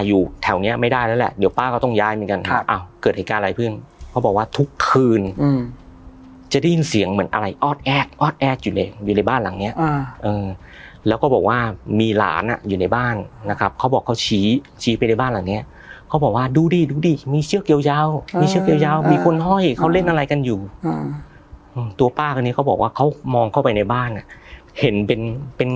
อืมจะได้ยินเสียงเหมือนอะไรออดแอดออดแอดอยู่เลยอยู่ในบ้านหลังเนี้ยอืมแล้วก็บอกว่ามีหลานอ่ะอยู่ในบ้านนะครับเขาบอกเขาชี้ชี้ไปในบ้านหลังเนี้ยเขาบอกว่าดูดิดูดิมีเชือกเกี่ยวเยาว์มีเชือกเกี่ยวเยาว์มีคนห้อยเขาเล่นอะไรกันอยู่อืมตัวป้ากันนี้เขาบอกว่าเขามองเข้าไปในบ้านอ่ะเห็นเป็